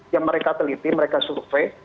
yang mereka teliti mereka survei